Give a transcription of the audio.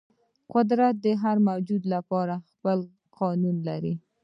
قدرت د هر موجود لپاره خپل قانون لري.